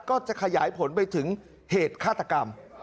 ก็จะขยายผลไปถึงเหตุฆาตกรรม